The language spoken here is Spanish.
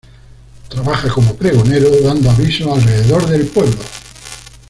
Trabaja como pregonero dando avisos alrededor del pueblo.